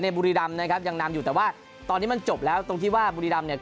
บุรีรำนะครับยังนำอยู่แต่ว่าตอนนี้มันจบแล้วตรงที่ว่าบุรีรำเนี่ย